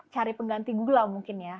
cari pengganti google mungkin ya